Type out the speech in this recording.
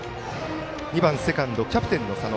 ２番セカンド、キャプテンの佐野。